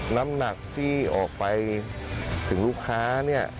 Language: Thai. น้ำหนักที่ออกไปถึงลูกค้าเนี่ย